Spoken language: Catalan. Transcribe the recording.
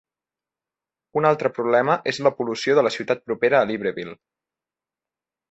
Un altre problema és la pol·lució de la ciutat propera de Libreville.